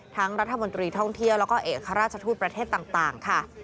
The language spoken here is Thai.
ทั้งรัฐบนตรีท่องเที่ยวแล้วก็เอกอาฆาตชาตุธประเทศต่างค่ะ